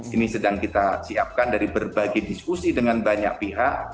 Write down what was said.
ini sedang kita siapkan dari berbagai diskusi dengan banyak pihak